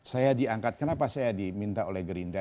saya diangkat kenapa saya diminta oleh gerindra